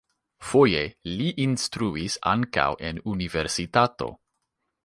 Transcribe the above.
Foje li instruis ankaŭ en universitato.